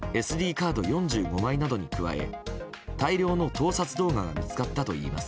カード４５枚などに加え大量の盗撮動画が見つかったといいます。